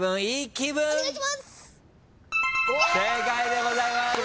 正解でございます。